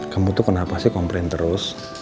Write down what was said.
kamu tuh kenapa sih komplain terus